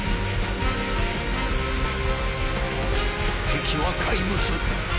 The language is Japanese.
敵は怪物。